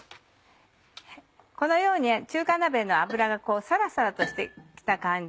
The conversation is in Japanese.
このように中華鍋の油がサラサラとして来た感じ。